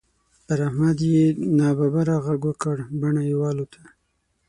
پر احمد چې يې ناببره غږ وکړ؛ بڼه يې والوته.